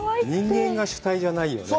人間が主体じゃないよね。